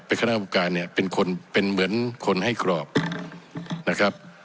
เป็นคณะกรรมการเนี่ยเป็นคนเป็นเหมือนคนให้กรอบนะครับ